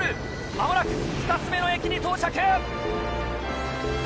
間もなく２つ目の駅に到着。